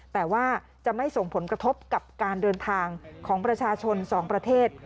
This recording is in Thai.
แต่ว่าจะไม่ส่งผลกระทบกับการเดินทางของประชาชนสองประเทศ